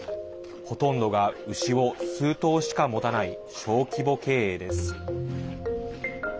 ほとんどが牛を数頭しか持たない小規模経営です。